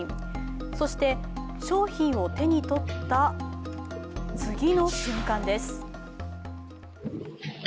そして、商品を手に取った次の瞬間です。